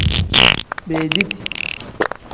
Beediti.